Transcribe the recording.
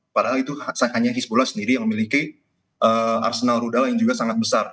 padahal itu hanya hizbula sendiri yang memiliki arsenal rudal yang juga sangat besar